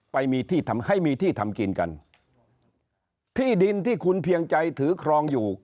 ไปมีที่ทำให้มีที่ทำกินกันที่ดินที่คุณเพียงใจถือครองอยู่